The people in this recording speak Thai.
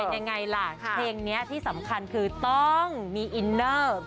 เป็นยังไงล่ะเพลงนี้ที่สำคัญคือต้องมีอินเนอร์